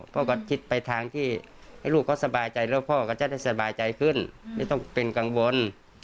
พ่อก็คิดไปทางที่ให้ลูกเขาสบายใจแล้วพ่อก็จะได้สบายใจขึ้นไม่ต้องเป็นกังวล